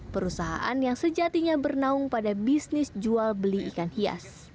perusahaan yang sejatinya bernaung pada bisnis jual beli ikan hias